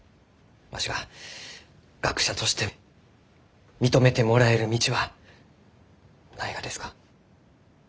わしが学者として認めてもらえる道はないがですか？